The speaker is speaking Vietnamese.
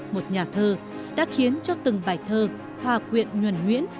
một nhà thơ đã khiến cho từng bài thơ hòa quyện nhuẩn nhuyễn